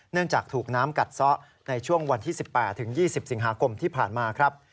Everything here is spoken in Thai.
จากถูกน้ำกัดซะในช่วงวันที่๑๘๒๐สิงหาคมที่ผ่านมาครับ